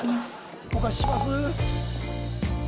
お貸しします。